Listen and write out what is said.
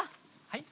はい。